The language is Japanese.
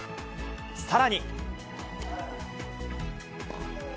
さらに。